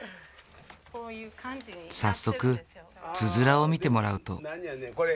早速つづらを見てもらうと。